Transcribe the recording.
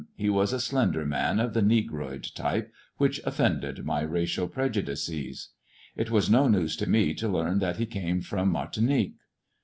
He was a slender man of the Negroid type, which offended my racial {n^judices. It was no news to me to learn that he came from Martinique.